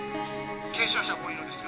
軽傷者も多いのですが。